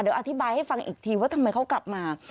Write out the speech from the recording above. เดี๋ยวอธิบายให้ฟังอีกทีว่าทำไมเขากลับมา